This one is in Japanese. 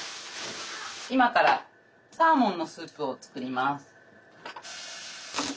今からサーモンのスープを作ります。